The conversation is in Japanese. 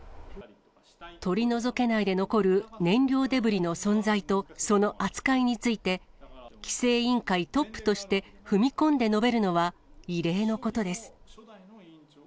取り除けないで残る燃料デブリの存在と、その扱いについて、規制委員会トップして踏み込んで述べるのは異例のことです。